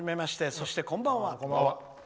そしてこんばんは。